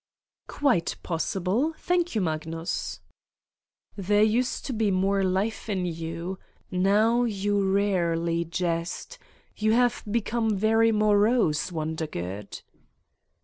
"Quite possible, thank you, Magnus." ' l There used to be more life in you. Now you rarely jest. You have become very morose, Wondergood.